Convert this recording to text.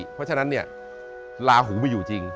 เพราะฉะนั้นเนี่ยลาหูมีอยู่จริง